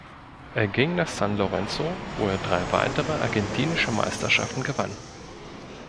Er ging nach San Lorenzo, wo er drei weitere argentinische Meisterschaften gewann.